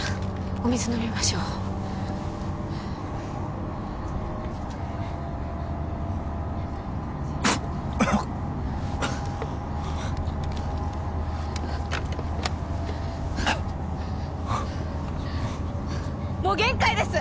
お水飲みましょうもう限界です！